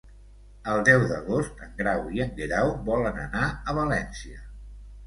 El deu d'agost en Grau i en Guerau volen anar a València.